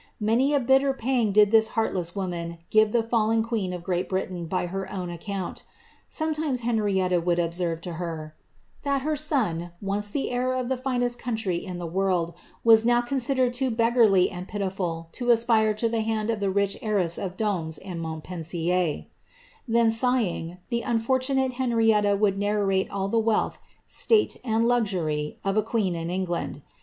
Many a bitter pang did this heartless woman give !ea of Great Britain by her own account. Sometimes Hen observe to her, ^ that her son, once the heir of the finest le world, was now considered too beggarly and pitiful to hand of the rich heiress of Dombes and Montpensier ;", the unfortunate Henrietta would narrate all the wealth, :ury of a queen in England.